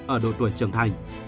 ở độ tuổi trưởng thành